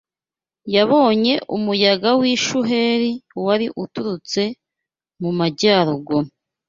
yabonye umuyaga w’ishuheri wari utururtse mu majyaruguru